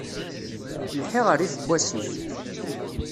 Lḥiɣ rrif n wasif.